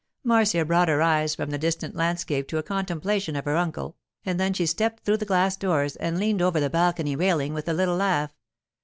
Marcia brought her eyes from the distant landscape to a contemplation of her uncle; and then she stepped through the glass doors, and leaned over the balcony railing with a little laugh.